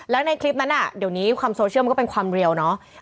แล้วในคลิปนั้นเดี๋ยวนี้ความโซเชียลมันก็เป็นความเร็วเนาะ